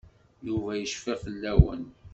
Yuba yecfa fell-awen.